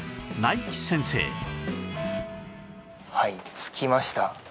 着きました。